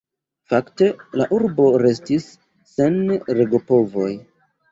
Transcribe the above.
Fakte la urbo restis sen regopovoj.